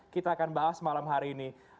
kita akan bahas malam hari ini